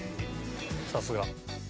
さすが。